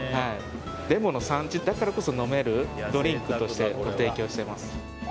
レモンの産地だからこそ飲めるドリンクとしてご提供しています。